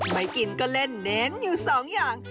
ไม่กินก็เล่นเน้นอยู่สองอย่าง